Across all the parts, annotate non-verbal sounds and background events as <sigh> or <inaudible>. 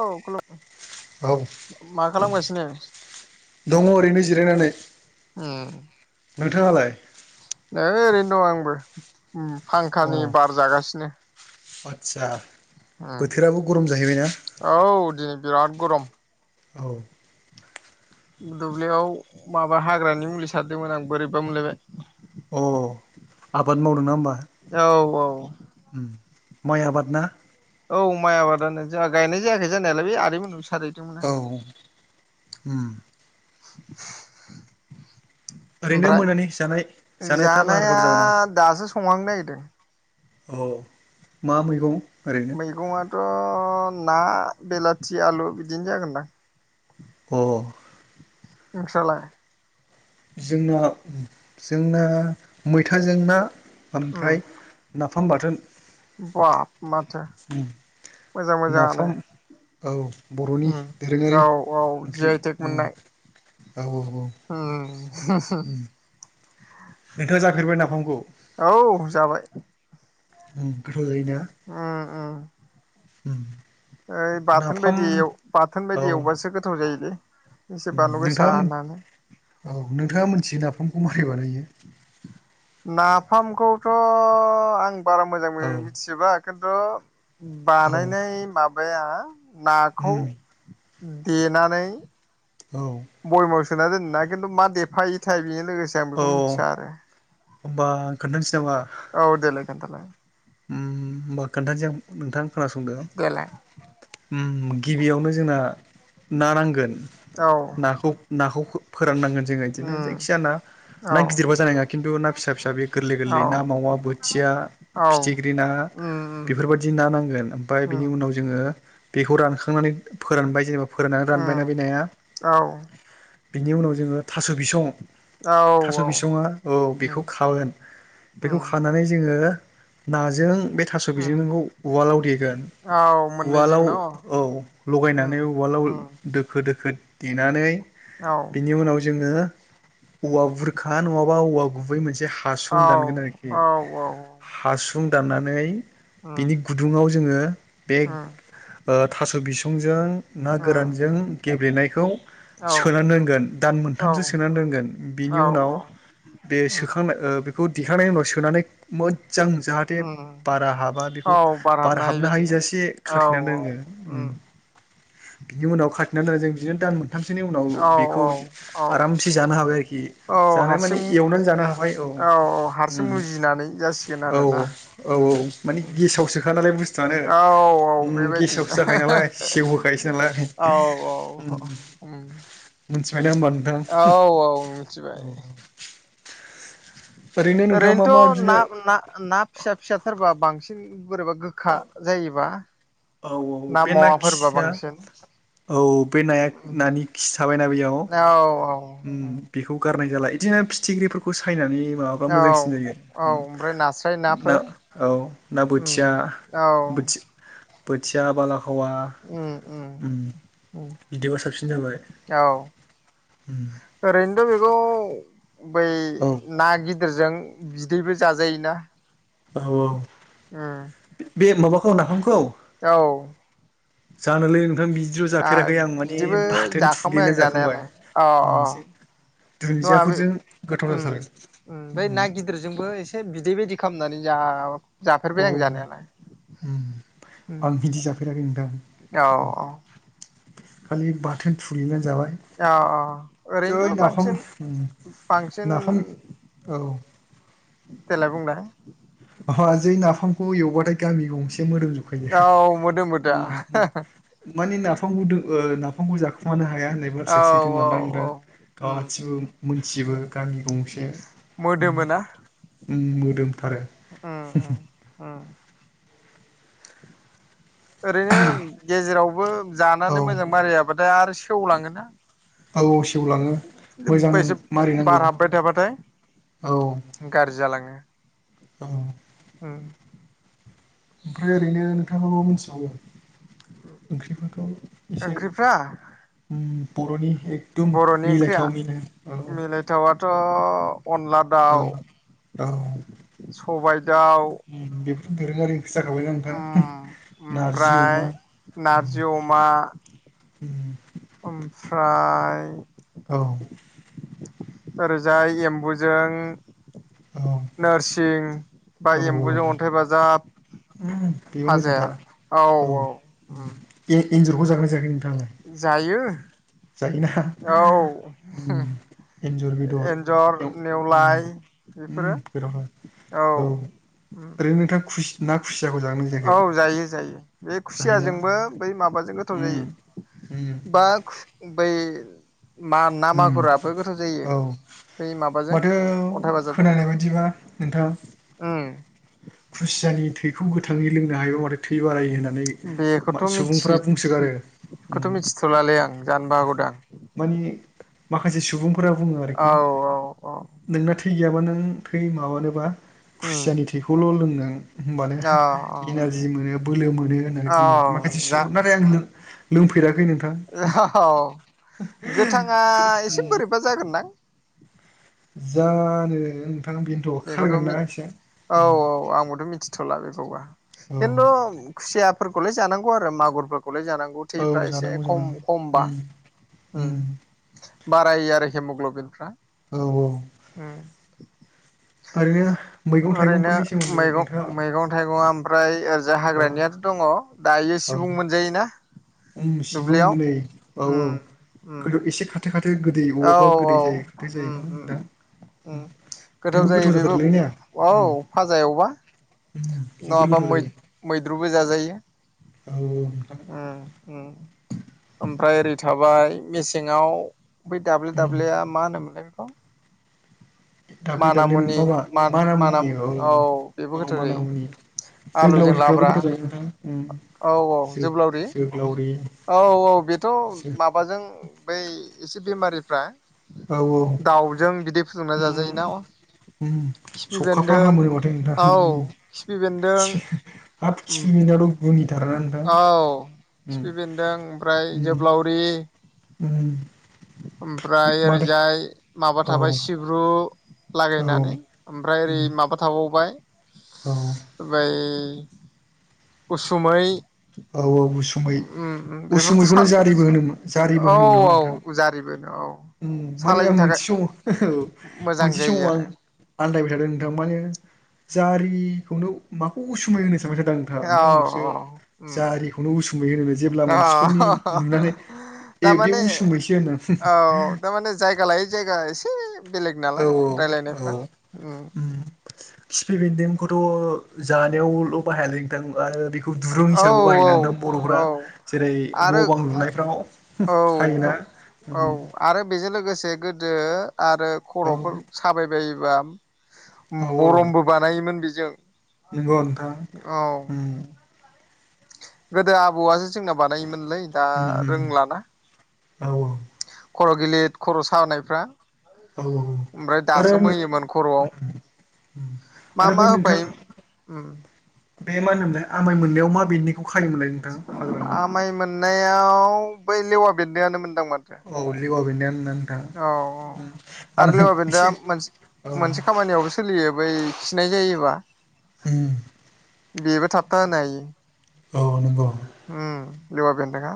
औ औ मा खालामगासिनो? दङ ओरैनो जिरायनानै उम नोंथाङालाय? नै ओरैनो दं आंबो फांखानि बार जागासिनो सा औ दिनै बिराद गरम औ दुब्लियाव माबा हाग्रानि मुलि सारदोंमोन आं बोरैबा मोनलायबाय अ आबाद मावदों ना होमबा? औ औ माय आबादना? औ माइ आबादानो जोंहा गायनाय जायाखै जानायालाय बे आदैमोनाव सारहैदोंमोन आं औ <inaudible> <inaudible> ओरैनो ओमफ्राय मोनानि जानाय जानायफ्रा लाहार जानाया फाहार जाबाय नामा दासो संहांनो नागिरदों औ मा मैगं? ओरैनो मैगंआथ ना बेलाथि आलु बिदिनो जागोनदां अ नोंस्रालाय जोंना-जोंना मैथाजों ना उम ओमफ्राय नाफाम बाथोन बाब माथो उम मोजां मोजांयानो नाफाम औ बर'नि उं दोरोङारि औ-औ जि आइ टेक मोननाय औ-औ-औ हुं-हुं नोंथांङा जाफेरबाय नाफामखौ औ जाबाय ओंगोद उं-उं <unintelligible> ओइ बाथोन नाफाम बायदि एउ बाथोन बायदि एवबासो गोथाव जायोलै एसे बानलु गोसा नोंथांङा होनानै औ नोंथांङा मोनथियो नाफामखौ मारै बानायो नाफामखौथ आं बारा मोजां औ मोन्थिजोबा खिन्थु औ बानायनाय माबाया नाखौ उम देनानै औ बयाममाव सोना दोनोना खिन्थु मा देफा इथाएल बेजों लोगोसे आं औ बेखौ मिथिया आरो। होमबा आं खोन्थानोसै नामा? औ देलाय खोनथालाय। उम होनबा खोन्थानोसै नोंथां। खोनासंदों देलाय उम गिबियावनो जोंना ना नांगोन। औ नाखौ-नाखौ फोराननांगोन। जोंङो इदिनो उम जायखिजाया ना ना औ गिदिरबा औ जानाय नंङा खिन्थु ना फिसा-फिसा बेयो गोरलै-गोरलै ना मावा बोथिया ना औ फिथिख्रि ना उम उम बेफोरबायदि ना नांगोन ओमफ्राय उम बिनि उनाव जोंङो बेखौ रानखांनानै फोरानबाय जेनेबा फोराननानै रानबायना बे उम नाया औ बिनि उनाव जोंङो थास बिसं औ थास बिसंङा औ बेखौ उम खागोन बेखौ उम खानानै जोंङो नाजों बे थास बिजोंजोंखौ उवालाव देगोन। औ मोननैजों उवालाव न' औ लगायनानै उवालाव औ दोखो-दोखो। देनानै बिनि उनाव जोंङो औवा बुरखा नंङाबा औवा गुबै मोनसे औ हासं दानगोन आरोखि औ हासुं दाननानै उम बिनि गुदुंङाव जोंङो बे उम ओ थास बिसंजों ना औ गोरानजों गेब्लेनाय सोना औ दोनगोन दान मोनथामसो सोना दोनगोन बिनि औ उनाव बे सोखांनाय ओ बेखौ दिखांनायनि उनाव सोनानै मो जां जाहाथे बारा हाबा औ बेखौ बार बारा हायि हाबनो बायदि हाइजासे औ खाथिना दोनो <inaudible> बिनि उनाव खाथिनानै दोननाय जों बिदिनो दान मोनथामसोनि उनाव औ बेखौ औ आरामसे जानो हाबाय आरोखि औ जानाय माने हारसिं एवनानै जानो हाबाय औ औ हारसिं मुजिनानै जासिगोन आरोना उम औ-औ-औ मानि उम गेसावसोखा नालाय बुस्थुआनो औ औ गेसावसो जाखायो बेबायदिनो नाम सेवहोखायोसो नालाय औ औ मिथिबाय दा होनबा औ-औ मिथिबाय। ओरैनो नोंथाङा मा मा ओरैनोथ बिदिनो ना-ना फिसा फिसाथारबा बांसिन। बोरैबा गोखा जायोबा औ ना बे मावाफोरबा खिया बांसिन। औ बे नाया उम नानि खिथाबायना बेयाव। औ ओम बिखौ गारनाय जाला बिदिनो आरो फिथिख्रिफोरखौ सायनानै माबाबा औ मोजांसिन जायो औ ओम ओमफ्राय नास्राय ना नाफोर औ ना बोथिया। उम औ बोथि बोथिआ बाला हावा उम उम उम बिदिआव साबसिन जाबाय औ उम ओरैनोथ बेखौ बै औ ना गिदिर गिदेरजों बिदैबो जाजायोना औ औ ओम खौ नाफामखौ औ जानोलै नोंथां बिदिल' आ जाफेराखै आं माने बिदिबो बाथोन जाखांबाय थुग्लिना आं जाखांबाय जानायालाय अ उम अ एसे नङा बे दुन्दियाफोरजों गोथाव ओम जाथारो ओम बै उम ना गिदिरजोंबो एसे बिदै बायदि खामनानै जा जाफेरबाय औ आं जानायालाय। ओम उम आं बिदि जाफेरेराखै नोंथां औ औ खालि बाथोन थुल्गिनाय जाबाय औ औ जै ओरैनोथ' नाफाम बांसिन ओम बांसिन नाफाम औ देलाय बुंलाय अ जै नाफामखौ एवबाथाय गामि गंसे से मोदोमजोबखायो औ मोदोमो दा ओम ओम माने नाफाम गुदुं ओ नाफामखौ जाखुमानो हाया होननाय औ बाथ्राया औ सैथोमारना औ नोंथां उम उम गासिबो मोनथिजोबो उम गामि गंसे ओम ओम मोदोमथारो ओम ओम ओम ओरैनो गेजेरावबो औ जानानै मोजां मारियाबाथाय आरो सेवलाङो ना औ औ सेवलाङो मोजां बेसे मारिनांगौ बार हाबबाय थाबाथाय औ गारजि जालाङो औ ओम ओमफ्राय ओरैनो नोंथाङा मा मा मिथिबावो ओंख्रिफोरखौ एसे ओंख्रिफ्रा बरनि एकदम बर'नि मिलायथाव मिलाय औ अ अनला औ दाउ स ओम बेफोर देरो आरो जाखाबाय ना नोंथां नारजि अमा ओमफ्राय औ नारजि अमा ओम ओमफ्राय औ ओरैजाय एम्बुजों औ नोरसिं बा औ एम्बुजों औ। अन्थाइ बाजाब उम बेबो फाजाया मोजांथार औ एन्जरखौ जागोना जायाखै नोंथाङालाय जायो जायोना औ ओम एन्जर बेदर एन्जर एव नेवलाय ओम ओम बेफोरो बेरावहाय औ ओरैनो नोथ खुसि ना खुसियाखौ जागोना औ जायाखै? जायो जायो बे जायोना खुसियाजोंबो बै माबाजों गोथाव उम जायो उम बा खु बै मा ना उम मागुराबो गोथाव जायो औ बै माबाजों माथो खोनानाय बायदिबा नोंथां ओम खुसियानि थैखौ गोथाङै लोंनो हायोबा माथो थै बारायो होनना नै मा बेखौथ' मिथि सुबुंफ्रा बुंसोगारो। ओम। बेखौथ' मिथिथ'लालै आं जानोबो हागौदां मानि माखासे सुबुंफोरा बुङो औ आरोखि औ औ नोंना थै गैयाबा नों थै माबानोबा उम खुसियानि थैखौल' लों नों होमबानो औ इनारजि मोनो बोलो मोनो होननानै औ बुङो माखासे जा <unintelligible> नाथाय आं लों लोंफेराखै नोंथ <unintelligible> गोथाङा एसे बोरैबा जागोनदां। जानो नोंथां बेनोथ' बेखौथ' खारगोन ना मिथ एसे औ औ आंबोथ' मिथि थ'ला बेखौबा औ खिन्थु खुसियाफोरखौलाय जानांगौ आरो मागुरफोर खौलाय जानांगौ औ थैफ्रा एसे जानांगौ खम जानांगौ खमबा। उम उम ओम बारायो आरो हेमग्लबिनफ्रा। औ औ ओम ओरैनो मैगं ओरैनो थाइगंफोरनि सोमोन्दै नोंथाङा मैगं मैगं थाइगंआ फ्राय ओरैजा औ हाग्रानियाथ' दङ दायो औ सिबुं मोनजायो ना? उम सिबुं नै औ औ। उम गोदो एसे खाथो खाथो गोदै अबा औ अबा गोदै जायो खाथो जायोना नोंथां? ओम गोथाव जायो बेबो औ उम फाजा एवबा। उम जोबोर नङाबा गोथाव जायो मै-मैद्रुबो जाजायो। औ। नोंथां ओम ओम ओमफ्राय ओरै थाबाय मेसेंआव बै दाब्ले उम दाब्लेया मा होनोमोनलाय बेखौ? दाब्लि माना दाब्लि मुनि माबा मा माना मानामुनि औ बेबो औ गोथाव जायो मानामुनि। जों दाउ आलुजों लाब्रा रोसिफ्राबो गोथाव जायो नोंथां ओम औ औ जोब्लावरि औ औ बेथ' जो माबाजों बै एसे बेमारिफ्रा औ दाउजों बिदि फुदुंना जाजायोना ओम खिफि सौखाफ्रा बेन्दों हामो माथो नोंथां ओम औ खिफि बेन्दों <unintelligible> हाब खिफि बेनदोंआथ' गुनि औ खिफि बेन्दों ओमफ्राय उम जोब्लावरि उम ओमफ्राय माथो ओरैजाय माबा औ थाबाय सिब्रु। औ लागायनानै ओमफ्राय ओरै उम माबा थाबावबाय औ बै उसुमै। औ औ उसुमै। उम उम बेफोरथ' सा उसुमैखौनो जारिबो होनोमो जारिबो औ होनोमोन नामा नोंथां? औ जारिबो औ ओम माने आं सालायनो थाखाय मोनसे समाव औ मोजां मोनसे जायो समाव आं आरो आनदायबाय थादों नोंथां माने जारिखौनो माखौ उसुमै होनोसो नंबायथादो आं नोथां ओमफ्राय औ उनावसो औ उम जारिखौनो उसुमै होनोनो जेब्ला अ मानसिफोरनि नुनानै ए बे थारमाने उसुमैसो होनो होम औ थारमाने जायगा लायै जायगा एसे बेलेग औ नालाय रायलायनायफ्रा। औ ओम ओम। उम खिफि बेन्दोंखौथ' जानायावल' बाहायालै नोंथां आरो बे खौ दुरुं औ हिसाबै औ बाहायोना नोंथां बर'फ्रा औ जेरै- आरो न' बां लुनायफ्राव औ खायोना। औ उम आरो बेजों लोगोसे गोदो आरो औ खर'फोर साबाय बायोबा औ बरमबो बानायोमोन बेजों। नंगौ नोंथां? औ ओम। गोदो आबौआज जोंना बानायोमोनलै दा उम उम रोंलाना। औ खर' गिलिर खर' सानायफ्रा औ औ ओमफ्राय आरो दासोम नो- होयोमोन उम खर'आव। उम मा आरो मा बै नोंथां होफायो? ओम। बे मा होनोमोनलाय आमाय मोननायाव मा बेन्दोंखौ खायोमोनलाय नोंथां हाग्रानि? नायाव बै लेवा बेन्दोंआनोमोन अ लेवा बेन्दोंआनो औ औ आरो लेवा एसे बेन्दोंआ औ मोनसे मोनसे खामानियावबो सोलियो बै खिनाय जायोबा उम बेबो थाबथा होनो हायो औ नंगौ उम लेवा बेन्दों आ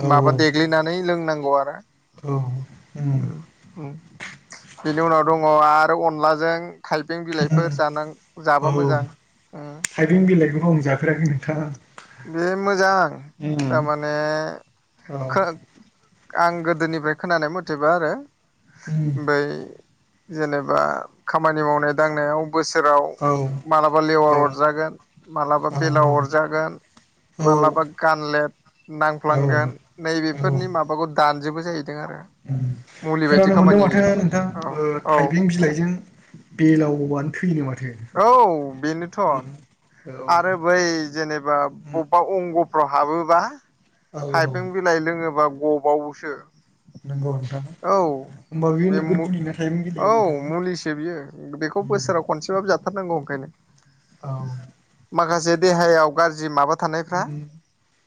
औ माबा देग्लिनानै लोंनांगौ आरो औ उम उम बेनि उनाव दङ आरो आरो अनलाजों थायबें बिलाइफोर जान औ जाबा मोजां थाइबें बिलाइखौथ' आं जाफेराखै नोंथां बे मोजां उम थारमाने औ खो आं गोदोनिफ्राय खोनानाय मथेबा आरो उम बै जेनेबा खामानि मावनाय दांनायाव बोसोराव औ मालाबा लेवार औ अरजागोन मालाबा औ बेलाव अरजागोन मालाबा गांनलेत औ नांफ्लांगोन औ नैबेफोरनि माबाखौ दानजोबो जायो खोनानो मोनदों माथो नोंथां होयो औ थाइबें बिलाइजों बेलावबो बानो औ बेनोथ उम औ आरो बै जेनेबा उम बबेबा अंग फ्राव हाबोबा औ थाइबें बिलाइ लोङोबा गबावोसो नोंगौ नोंथां औ होमबा बेयो बे नोगोर गुलिना थाइबें बिलाइआ औ नोंथां मुलिसो बियो बेखौ उम बोसोराव खनसेबाबो जा थारांगौ ओखायनो औ देहायाव गाज्रि माबा थानायफ्रा उम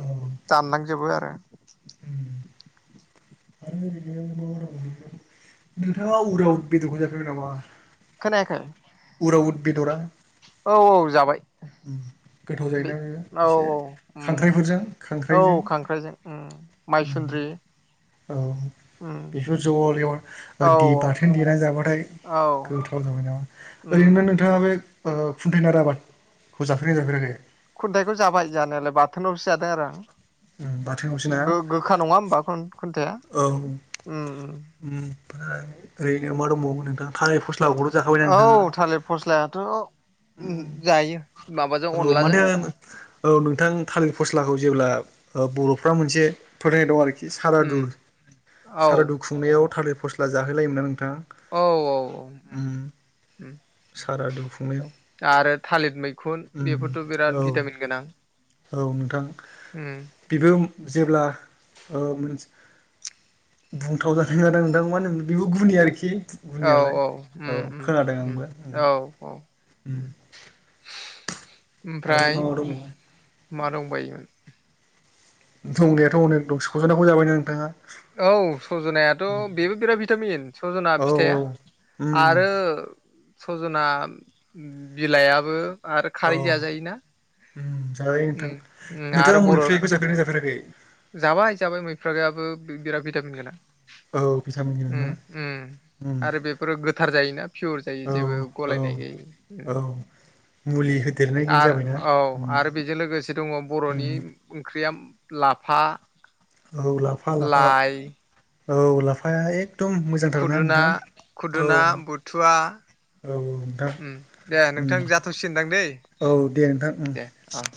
औ उम दानलांजोबो आरो आरो ओरैनो नोंथाङा उराव बेदरखौ जाफैबाय नामा खोनायाखै उराव उद बेदरा औ औ जाबाय उम गोथाव बे जायोना बेयो औ एसे औ औ खांख्राइफोरजों खांख्राइजों उम खांख्राइजों उम माइसुन्द्रि औ उम बेफोर जल औ एव बाथोन देनानै जाबाथाय औ गोथाव जाबाय नामा उम ओरैनो नोंथाङा बे ओ खुन्थाय नाराखौ जाफेरबायना जाफेराखै खुन्थाइखौ जाबाय जानायालाय बाथोनावसो जादों आरो आं बाथोनावसो ना गो-गोखा नङा होमबा खुनथाय औ ओमफ्राय ओरैनो मा दंबावो नोंथां थालेर फस्ला औ थालिर फस्लायाथ जायो माबाजों औ माने अनलाजों औ नोंथां थालिर फस्लाखौ जेब्ला बर'फ्रा मोनसे फोथायनाय दं आरोखि सारादु उम औ सारादु खुंनायाव थालिर फस्ला जाहोलायोमोन औ औ औ सारादु कुंनायाव आरो थालिर मैखुन बेफोरथ' औ बिराद भिटामिन गोनां औ नोंथां उम बेबो जेब्ला मोनसे बुंथाव जादों नोंथां मा होनोम बेबो गुनि आरोखि औ गुनियालाय उम औ उम खोनादों उम आंबो औ औ उम उम आरो ओमफ्राय मा मा मा दंबायोमोन दंनायाथ अनेक दं सरज'नाखौ जाबायना नोंथाङा औ सजनायाथ बेबो बिराद भिटामिन सजना औ औ फिथाइया उम आरो सजना बिलायाबो आरो औ खारै जाजायोना उम जाजायो उम नोंथां उम आरो नोंथाङा बर' मैफ्रायबो जाफेरबायना जाफेराखै जाबाय जाबाय मैफ्रायाबो बिराद भिटामिन गोनां औ भिटामिन गोनांना उम उम। उम आरो बेफोरो गोथार जायोना पियर जायो औ जेबो औ गलायनाय गोयै ओ। औ मुलि होदेरनाय गैयि आर जाबायना औ उम आर बेजों लोगोसे दङ' बर'नि उम ओंख्रिया लाफा औ लाफा लाफा लाइ औ ला फाया एखदम मोजांथार ना खुदुना नोंथां? औ। खुदुना बुथुवा औ औ नोंथां उम दे उम। नोंथां जाथ'सिगोनदां दै औ दे नोंथां उम। दे अ